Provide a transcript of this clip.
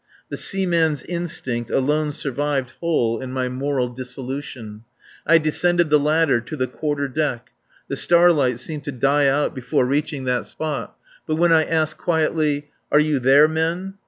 The seaman's instinct alone survived whole in my moral dissolution. I descended the ladder to the quarter deck. The starlight seemed to die out before reaching that spot, but when I asked quietly: "Are you there, men?"